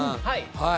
はい。